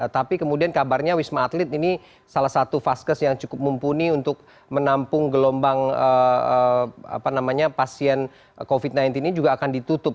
tapi kemudian kabarnya wisma atlet ini salah satu vaskes yang cukup mumpuni untuk menampung gelombang pasien covid sembilan belas ini juga akan ditutup